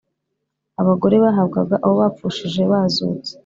Abagore bahabwaga abo bapfushije bazutse